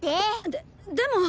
ででも。